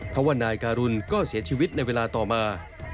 เพราะว่านายการุณก็เสียชีวิตในเวลาต่อมา